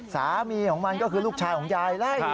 สามีของมันก็คือลูกชายของยายไล่